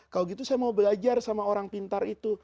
kalau gitu saya mau belajar sama orang pintar itu